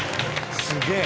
すげえ。